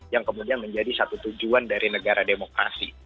yang kemudian menjadi satu tujuan dari negara demokrasi